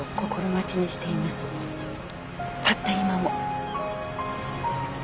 たった今も。